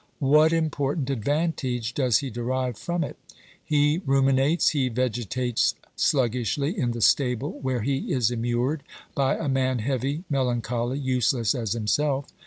What important advantage does he derive from it? He ruminates, he vegetates sluggishly in the stable where he is immured by a man heavy, melancholy, useless as him self.